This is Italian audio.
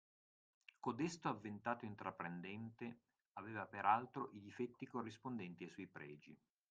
Codesto avventato intraprendente aveva per altro i difetti corrispondenti ai suoi pregi.